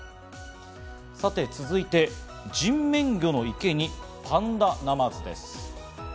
さて続いて、人面魚の池にパンダナマズです。